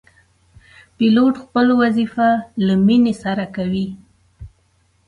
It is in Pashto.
پیلوټ خپل وظیفه له مینې سره کوي.